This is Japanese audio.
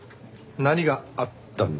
何があったんですか？